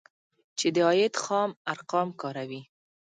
چې د عاید خام ارقام کاروي